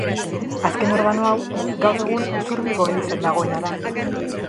Azken organo hau gaur egun Usurbilgo elizan dagoena da.